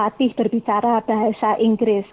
jadi kami bisa berbicara bahasa inggris